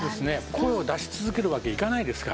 声を出し続けるわけいかないですから。